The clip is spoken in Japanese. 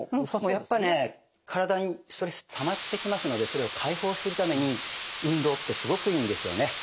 やっぱね体にストレスってたまってきますのでそれを解放するために運動ってすごくいいんですよね。